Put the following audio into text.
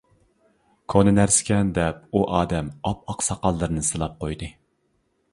«كونا نەرسىكەن» دەپ ئۇ ئادەم ئاپئاق ساقاللىرىنى سىلاپ قويدى.